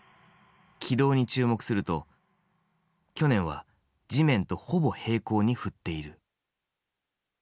軌道に注目すると去年は地面とほぼ平行に振っている。